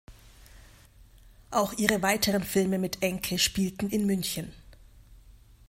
Auch ihre weiteren Filme mit Enke spielten in München.